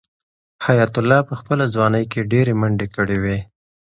حیات الله په خپله ځوانۍ کې ډېرې منډې کړې وې.